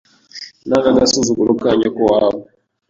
nanga agasuzuguro ka nyoko wawe